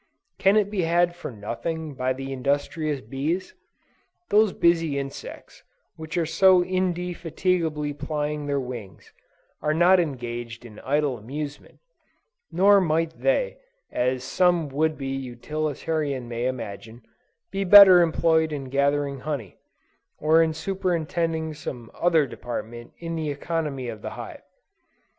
Can it be had for nothing, by the industrious bees? Those busy insects, which are so indefatigably plying their wings, are not engaged in idle amusement; nor might they, as some would be utilitarian may imagine, be better employed in gathering honey, or in superintending some other department in the economy of the hive.